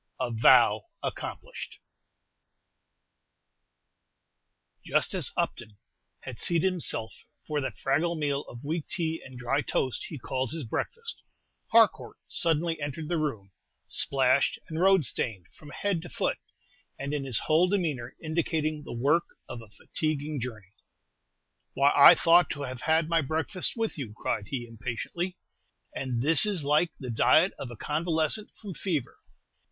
A "VOW" ACCOMPLISHED Just as Upton had seated himself at that fragal meal of weak tea and dry toast he called his breakfast, Harcourt suddenly entered the room, splashed and road stained from head to foot, and in his whole demeanor indicating the work of a fatiguing journey. "Why, I thought to have had my breakfast with you," cried he, impatiently, "and this is like the diet of a convalescent from fever.